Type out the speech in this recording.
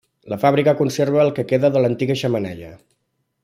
La fàbrica conserva el que queda de l'antiga xemeneia.